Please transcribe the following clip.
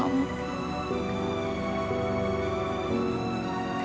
aku jatuh cinta sama kamu